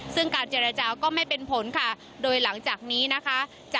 ซึ่งการเจรจาก็ไม่เป็นผลค่ะโดยหลังจากนี้นะคะ